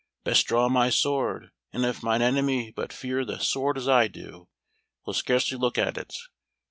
Best draw my sword; and if mine enemy but fear the sword as I do, he'll scarcely look at it.